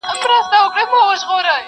جار دي له حیا سم چي حیا له تا حیا کوي,